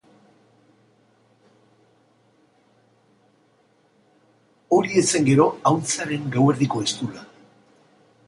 Hori ez zen gero ahuntzaren gauerdiko eztula!